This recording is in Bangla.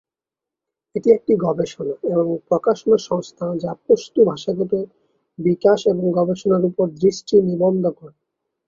এটি একটি গবেষণা এবং প্রকাশনা সংস্থা যা পশতু ভাষাগত বিকাশ এবং গবেষণার উপর দৃষ্টি নিবদ্ধ করে।